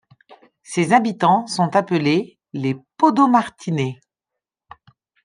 Ses habitants sont appelés les Podomartinais.